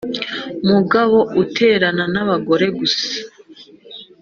mugabo uterana n'abagore gusa